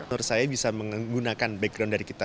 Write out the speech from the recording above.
menurut saya bisa menggunakan background dari kita